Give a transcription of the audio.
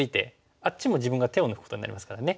あっちも自分が手を抜くことになりますからね。